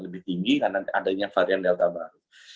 lebih tinggi karena adanya varian delta baru